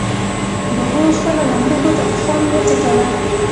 ببو خپله لمده ګوته په خوند وڅټله.